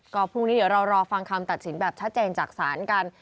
ก็พรุ่งนี้เดี๋ยวเรารอฟังคำตัดสินแบบชัดเจนจากศาลกัน